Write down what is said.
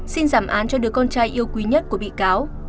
xin giảm án cho đứa con trai yêu quý nhất của bị cáo